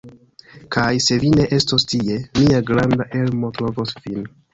Kaj, se vi ne estos tie, mia granda Elmo trovos vin.